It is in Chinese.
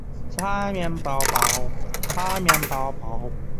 车底两台转向架之间设有燃油箱和蓄电池箱。